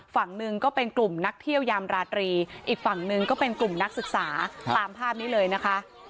ฝั่งหนึ่งก็เป็นกลุ่มนักเที่ยวยามราตรีอีกฝั่งหนึ่งก็เป็นกลุ่มนักศึกษาตามภาพนี้เลยนะคะ